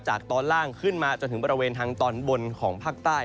ตอนล่างขึ้นมาจนถึงบริเวณทางตอนบนของภาคใต้